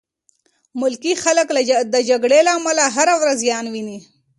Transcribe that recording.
ملکي خلک د جګړې له امله هره ورځ زیان ویني.